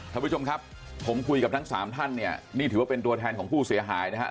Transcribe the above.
ท่านผู้ชมครับผมคุยกับทั้งสามท่านเนี่ยนี่ถือว่าเป็นตัวแทนของผู้เสียหายนะครับ